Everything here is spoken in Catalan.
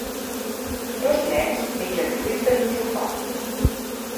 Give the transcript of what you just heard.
Dos nens mengen fruita en un sofà.